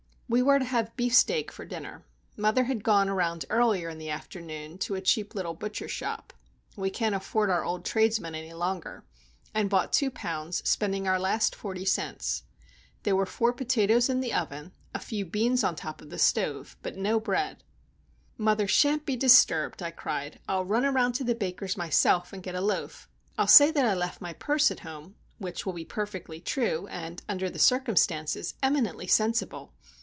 We were to have beefsteak for dinner. Mother had gone around earlier in the afternoon to a cheap little butcher shop (we can't afford our old tradesmen any longer), and bought two pounds,—spending our last forty cents. There were four potatoes in the oven, a few beans on the top of the stove,—but no bread. "Mother shan't be disturbed," I cried. "I'll run around to the baker's, myself, and get a loaf. I'll say that I left my purse at home (which will be perfectly true, and, under the circumstances, eminently sensible!)